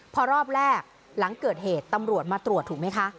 พอรอบแรกหลังเกิดเหตุตำรวจมาตรวจถูกไหมคะ